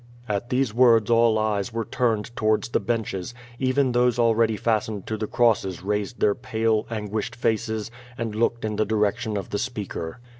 At these words all eyes were turned towards the benches; even those already fastened to the crosses raised their pale, anguished faces, and looked in the direction of the speaker.